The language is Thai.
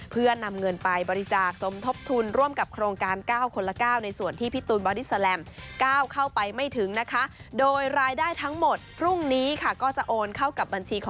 เพื่อนำเงินไปบริจาคสมทบทุนร่วมกับโครงการ๙คนละ๙ในส่วนที่พี่ตูนบอดี้แลมก้าวเข้าไปไม่ถึงนะคะ